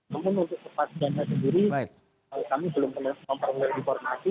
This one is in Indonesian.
namun untuk kepastiannya sendiri kami belum pernah mengoperasikan informasi